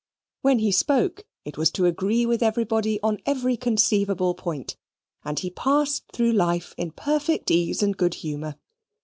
When he spoke, it was to agree with everybody on every conceivable point; and he passed through life in perfect ease and good humour.